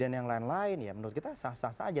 dan yang lain lain ya menurut kita sah sah saja